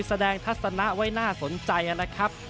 ทัศนะไว้น่าสนใจนะครับ